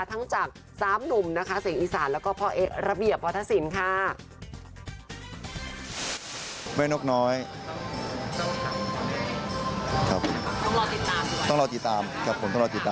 ทั้งจาก๓หนุ่มนะคะเสียงอีสานแล้วก็พ่อเอ๊ะระเบียบวัฒนศิลป์ค่ะ